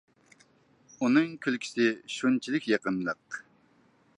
ئۇنىڭ كۈلكىسى شۇنچىلىك يېقىملىق.